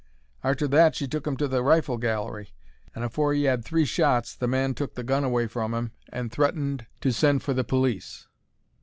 Arter that she took 'im to the rifle gallery, and afore he had 'ad three shots the man took the gun away from 'im and threatened to send for the police.